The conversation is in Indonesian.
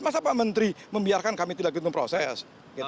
masa pak menteri membiarkan kami tidak mengikuti proses